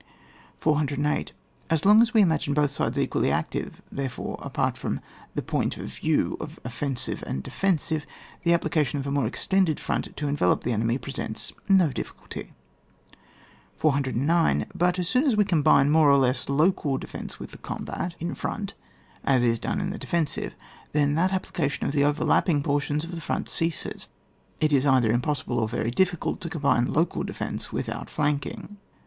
408. As long as we imagine both sides equally active, therefore apart from the point of view of offensive and defensive, the application of a more extended front to envelop the enemy, presents no diffi culty. 409. But as soon as we combine more or less local defence with the combat in 158 ON WAR. front (as is done in the defensive), then that application of the overlapping por tions of the front ceases ; it is either im possible, or very difficult, to combine local defence with outflanking.